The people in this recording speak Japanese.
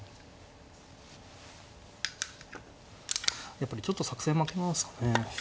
やっぱりちょっと作戦負けなんですかね。